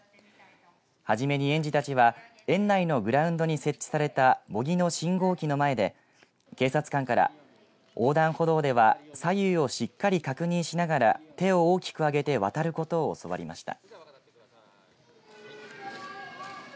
初めに園児たちは園内のグラウンドに設置された模擬の信号機の前で警察官から横断歩道では左右をしっかり確認しながら手を大きく上げて渡ることを教わりました。